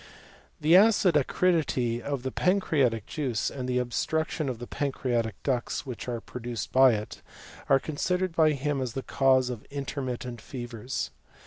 The acid acridity of the pancreatic juice, and the obstruction of the pancreatic ducts, which are pro duced by it, are considered by him as the cause of intermittent fevers.